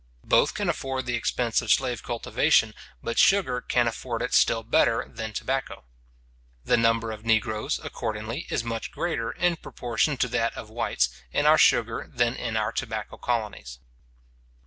Both can afford the expense of slave cultivation but sugar can afford it still better than tobacco. The number of negroes, accordingly, is much greater, in proportion to that of whites, in our sugar than in our tobacco colonies.